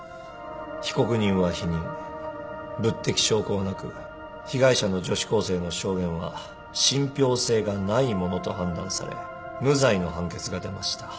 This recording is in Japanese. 物的証拠はなく被害者の女子高生の証言は信ぴょう性がないものと判断され無罪の判決が出ました。